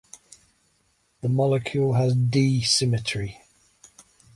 The molecule has D symmetry.